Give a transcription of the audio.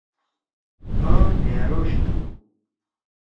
آ ڈھأروش تھو۔